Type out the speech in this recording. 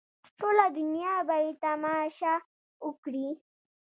ټوله دنیا به یې تماشه وکړي.